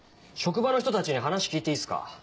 職場の人たちに話聞いていいすか？